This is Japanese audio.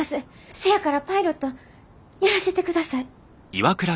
せやからパイロットやらせてください。